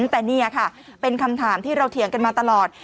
แต่นี่ค่ะเป็นคำถามที่เราเถียงกันมาตลอด